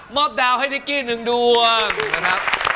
มอบดาวน์ให้นิกี้หนึ่งดวง